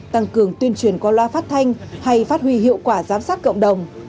tăng cường tuyên truyền qua loa phát thanh hay phát huy hiệu quả giám sát cộng đồng